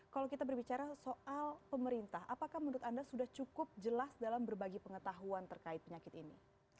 kalau kita berbicara soal pemerintah apakah menurut anda sudah cukup jelas dalam berbagi pengetahuan terkait penyakit ini